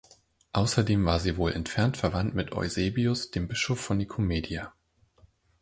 Außerdem war sie wohl entfernt verwandt mit Eusebius, dem Bischof von Nikomedia.